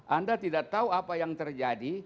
anda tidak tahu apa yang terjadi